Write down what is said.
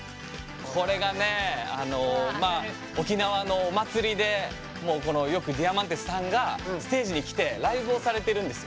これがね沖縄のお祭りでもよくＤＩＡＭＡＮＴＥＳさんがステージに来てライブをされてるんです。